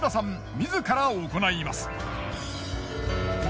自ら行います。